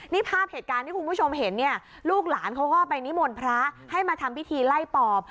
นี่ภาพเหตุการณ์ที่คุณผู้ชมเห็นเนี่ยลูกหลานเขาก็ไปนิมนต์พระให้มาทำพิธีไล่ปอบ